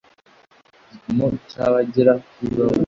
gipimo cya abagera kuri bavuze